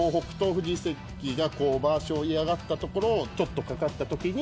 富士関がまわしを嫌がったところをちょっと掛けたときに